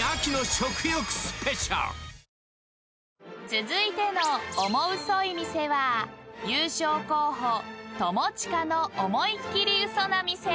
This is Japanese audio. ［続いてのオモウソい店は優勝候補友近のオモいっきりウソな店］